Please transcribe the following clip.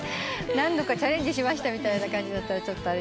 何度かチャレンジしましたみたいな感じだったらちょっと。